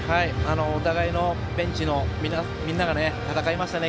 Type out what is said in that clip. お互いのベンチのみんなが戦いましたね。